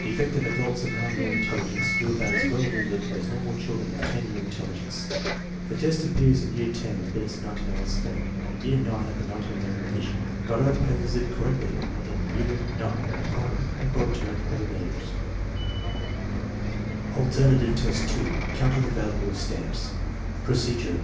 Defective adults of 9 year intelli gence do about as well with it as normal children of 10 year intelligence. The test appears in year X of Binet's 1908 scale and in year IX of the 1911 revision. Goddard places it correctly in year IX, while Kuhlmann and Bobertag have omitted it. IX, Alternative test 2 : counting the value of stamps Procedure.